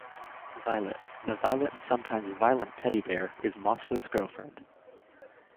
Violet, the violet and sometimes "violent" teddy bear, is Mossfoot's girlfriend.